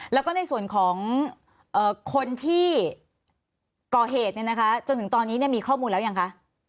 แล้วก็ในส่วนของคนที่ก่อเหตุจนถึงตอนนี้มีข้อมูลแล้วยังคะ